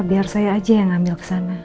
biar saya aja yang ambil kesana